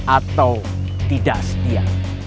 atau tidak setia